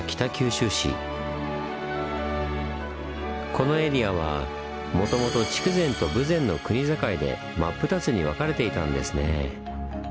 このエリアはもともと筑前と豊前の国境で真っ二つに分かれていたんですねぇ。